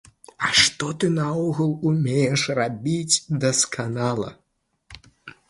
А што ты наогул умееш рабіць дасканала?